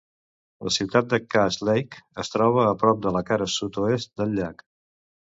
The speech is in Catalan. La ciutat de Cass Lake es troba a prop de la cara sud-oest del llac.